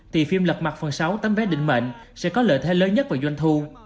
thì phim lật mặt phần sáu tấm vé định mệnh sẽ có lợi thế lớn nhất vào doanh thu